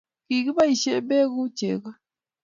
Kigiboishe beek gu chego